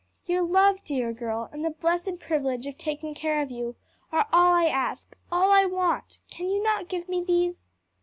"Your love, dear girl, and the blessed privilege of taking care of you, are all I ask, all I want can you not give me these?"